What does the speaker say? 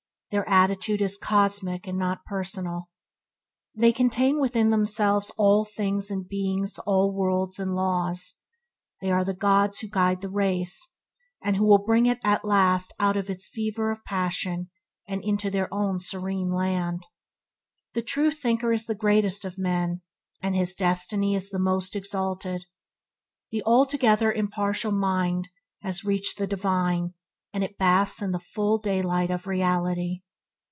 Their attitude is cosmic and not personal. They contain within themselves all things and beings all worlds and laws. They are the gods who guide the race, and who will bring it at last out of its fever of passion into their own serene land. The true thinker is the greatest of men, and his destiny is the most exalted. The altogether impartial mind has reached the divine, and it basks in the full daylight of Reality.